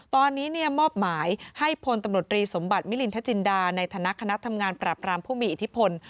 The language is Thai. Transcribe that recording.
ตอนนี้มอบหมายให้พลตำรวจรีสมบัติมิลินทจินดาในฐานะคณะทำงานปรับรามผู้มีอิทธิพล